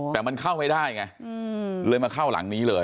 แต่มันเข้าไม่ได้ไงเลยมาเข้าหลังนี้เลย